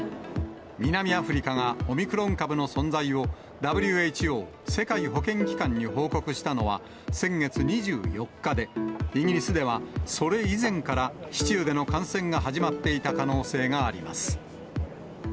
南アフリカがオミクロン株の存在を、ＷＨＯ・世界保健機関に報告したのは先月２４日で、イギリスではそれ以前から市中での感染が始まっていた可能性があります。